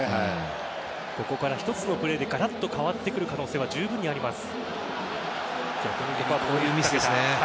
ここから１つのプレーでガラッと変わる可能性が十分にあります。